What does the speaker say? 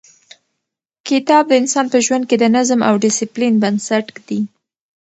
کتاب د انسان په ژوند کې د نظم او ډیسپلین بنسټ ږدي.